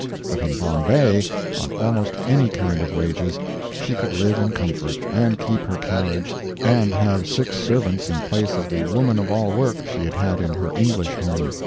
But in Bombay, on almost any kind of wages, she could live in comfort, and keep her carriage, and have six servants in place of the woman of all work she had had in her English home.